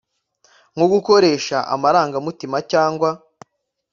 nko g-ukore sha amara ng-a-mutima cya ng-wa